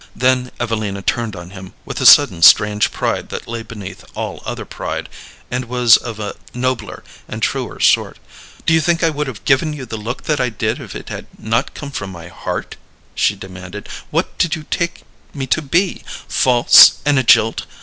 Then Evelina turned on him, with a sudden strange pride that lay beneath all other pride, and was of a nobler and truer sort. "Do you think I would have given you the look that I did if it had not come from my heart?" she demanded. "What did you take me to be false and a jilt?